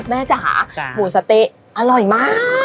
จ๋าหมูสะเต๊ะอร่อยมาก